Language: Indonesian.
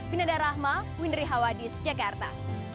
binadar rahma winry hawadis jakarta